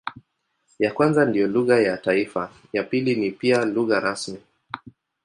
Ya kwanza ndiyo lugha ya taifa, ya pili ni pia lugha rasmi.